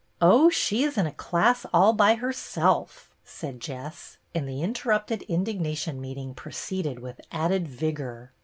"Oh, she's in a class all by herself," said Jess; and the interrupted indignation meet ing proceeded with added vigor.